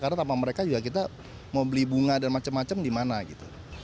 karena tanpa mereka juga kita mau beli bunga dan macam macam di mana gitu